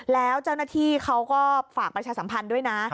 แล้วเจ้าหน้าที่เขาก็ฝากประชาสัมพันธ์ด้วยนะ